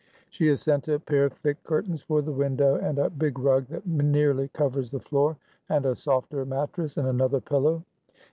She has sent a pair of thick curtains for the window, and a big rug that nearly covers the floor, and a softer mattress and another pillow.